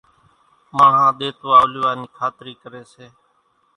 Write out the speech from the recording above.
ماڻۿان ۮيتوا اولايا نِي کاتري ڪري سي